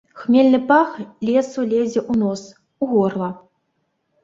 Хмельны пах лесу лезе ў нос, у горла.